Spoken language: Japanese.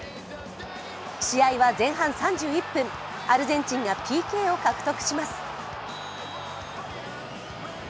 試合は前半３１分、アルゼンチンがＰＫを獲得します。